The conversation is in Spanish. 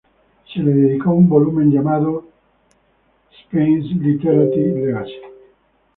Se le dedicó un volumen llamado “Spains’s Literary Legacy.